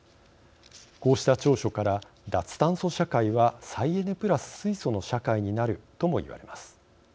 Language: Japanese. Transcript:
こうした長所から脱炭素社会は再エネプラス水素の社会になるとも言われます。